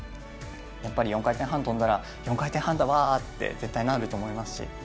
やっぱり４回転半跳んだら、４回転半だ、わーってなると思いますし。